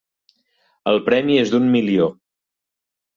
El premi és d'un milió.